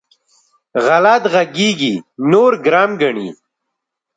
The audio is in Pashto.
غلط غږېږي؛ نور ګرم ګڼي.